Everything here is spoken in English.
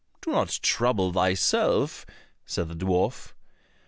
"Do not trouble thyself," said the dwarf.